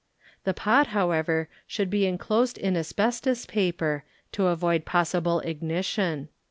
The pot, however, should be inclosed in asbestos paper to avoid pos sible ignition.